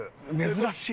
珍しい！